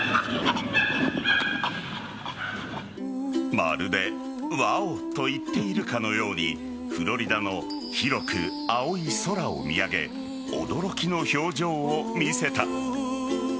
まるでワオと言っているかのようにフロリダの広く青い空を見上げ驚きの表情を見せた。